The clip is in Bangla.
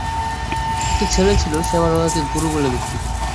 একটি ছেলে ছিল, সে আমার বাবাকে গুরু বলে ভক্তি করত।